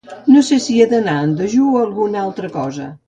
No sé si he d'anar en dejú o alguna altra cosa.